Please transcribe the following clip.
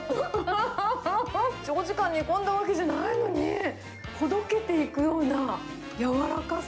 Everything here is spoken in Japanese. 長時間煮込んだわけじゃないのに、ほどけていくような柔らかさ。